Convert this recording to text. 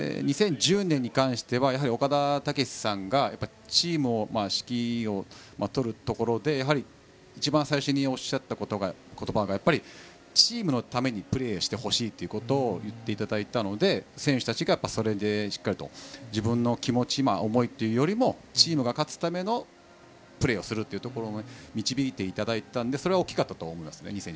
２０１０年は岡田武史さんがチームの指揮を執るところで一番最初におっしゃった言葉がチームのためにプレーをしてほしいと言っていただいたので選手たちがそれでしっかり自分の気持ち、思いよりチームが勝つためにプレーをするところに導いていただいたので２０１０年大きかったと思いますね。